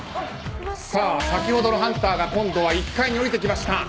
先ほどのハンターが今度は１階に降りてきました。